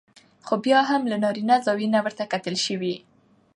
خو بيا هم له نارينه زاويې نه ورته کتل شوي